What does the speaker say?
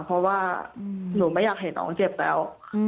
เพราะว่าหนูไม่อยากให้น้องเจ็บแล้ว